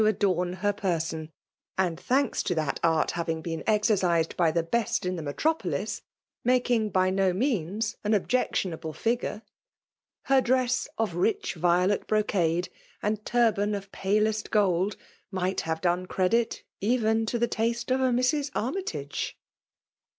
fidorn her person ; and, thanka ta tliit vft having, been exercised by the best in the xt^ t tr^polis^ malcing by no means an objection ; able figure. Her dress of rich violot broeadeb |kn4 turban of palest gold, might have done er^dit even, to the taste of a Mrs. Armytage